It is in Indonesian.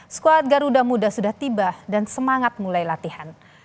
skuad garuda muda sudah tiba dan semangat mulai latihan